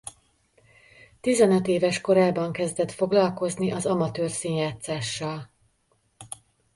Tizenöt éves korában kezdett foglalkozni az amatőr színjátszással.